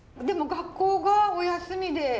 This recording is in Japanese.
でも学校がお休みで？